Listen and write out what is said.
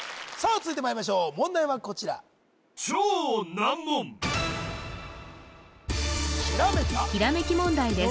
続いてまいりましょう問題はこちらひらめき問題です